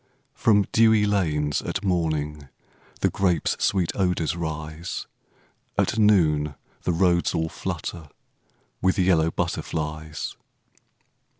From dewey lanes at morning The grapes' sweet odors rise; At noon the roads all flutter With yellow butterflies.